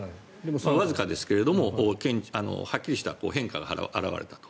わずかですけれどもはっきりした変化が表れたと。